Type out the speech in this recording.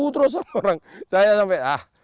terus ada orang saya sampai ah